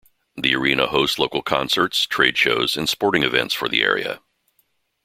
The arena hosts local concerts, trade shows and sporting events for the area.